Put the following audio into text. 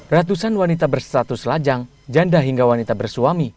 ratusan wanita berstatus lajang janda hingga wanita bersuami